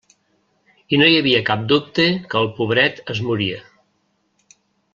I no hi havia cap dubte que el pobret es moria.